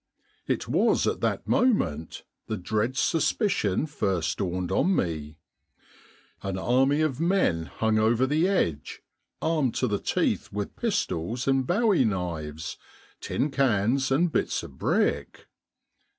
It was at that moment the dread suspicion first dawned on me. An army of men hung over the edge, armed to the teeth with pistols and bowie knives, tin cans and bits of brick.